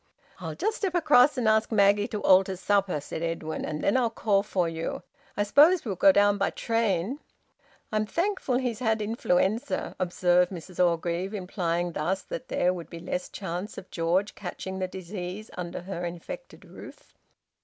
"I'll just step across and ask Maggie to alter supper," said Edwin, "and then I'll call for you. I suppose we'll go down by train." "I'm thankful he's had influenza," observed Mrs Orgreave, implying that thus there would be less chance of George catching the disease under her infected roof.